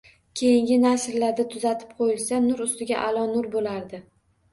Keyingi nashrlarda tuzatib qoʻyilsa, nur ustiga nur boʻlardi